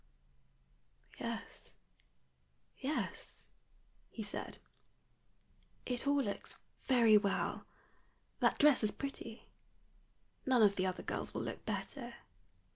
"Yes, yes," he said, "it all looks very well; that dress is pretty. None of the other girls will look better.